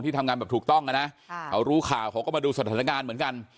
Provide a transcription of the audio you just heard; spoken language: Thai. ทำงานแบบถูกต้องนะเขารู้ข่าวเขาก็มาดูสถานการณ์เหมือนกัน